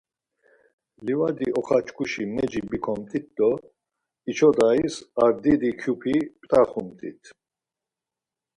Livadi oxaçkuşi meci bikomt̆it do içodayiz ar didi kyupi ptaxumtit.